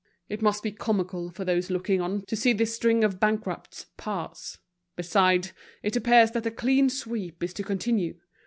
It must be comical for those looking on to see this string of bankrupts pass. Besides, it appears that the clean sweep is to continue.